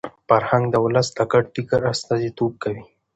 فرهنګ د ولس د ګډ فکر استازیتوب کوي.